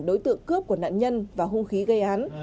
đối tượng cướp của nạn nhân và hung khí gây án